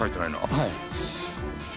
はい。